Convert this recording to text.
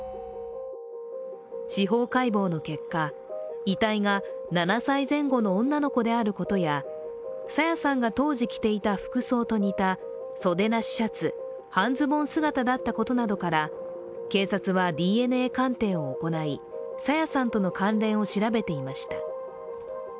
司法解剖の結果、遺体が７歳前後の女の子であることや朝芽さんが当時着ていた服装と似た袖なしシャツ、半ズボン姿だったことから警察はＤＮＡ鑑定を行い朝芽さんとの関連を調べていました。